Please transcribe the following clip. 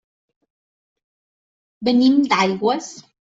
Venim d'Aigües.